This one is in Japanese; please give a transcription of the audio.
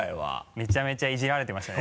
めちゃめちゃイジられてましたね。